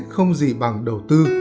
không gì bằng đầu tư